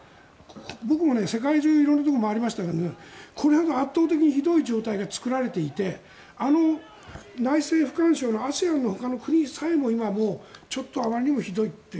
僕も世界中、色々なところを回りましたがこれだけ圧倒的にひどい状況が作られていてあの内政不干渉のＡＳＥＡＮのほかの国でさえも今はもうちょっとあまりにもひどいって。